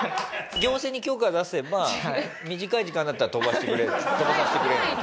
行政に許可出せば短い時間だったら飛ばさせてくれるんだよ